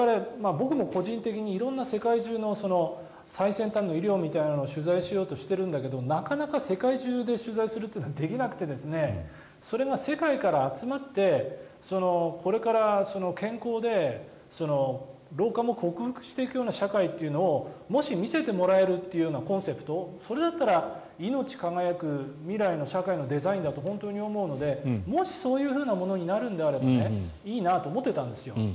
僕も個人的に、色々な世界中の最先端の医療みたいなのを取材しようとしているんだけどなかなか世界中で取材することができなくてそれが世界から集まってこれから健康で老化も克服していくような社会っていうのをもし見せてもらえるというようなコンセプトそれだったら「いのち輝く未来社会のデザイン」だと本当に思うのでもし、そういうものになるのであればいいなと思ってたんです。